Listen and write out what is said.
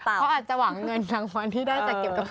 เพราะอาจจะหวังเงินรางวัลที่ได้จากเก็บกระโปรก